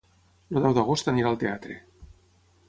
El deu d'agost anirà al teatre.